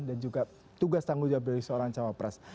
dan juga tugas tanggung jawab dari seorang cawapres